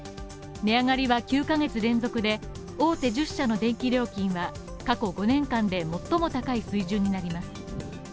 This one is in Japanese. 値上がりは９カ月連続で大手１０社の電気料金は過去５年間で最も高い水準になります。